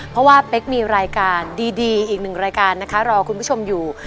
เพราะว่าเป๊กมีรายการดีอีกหนึ่งรายการนะคะรอคุณผู้ชมอยู่